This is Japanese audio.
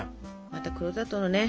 また黒砂糖のね